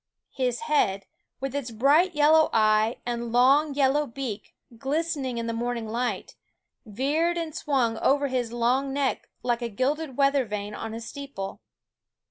His head, with its bright yellow eye and long yellow beak glistening in the morning light, veered and swung over his long neck like a gilded ^ weather vane on a steeple.